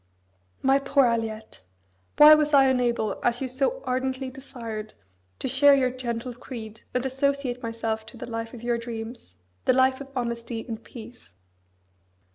My poor Aliette! why was I unable, as you so ardently desired, to share your gentle creed, and associate myself to the life of your dreams, the life of honesty and peace?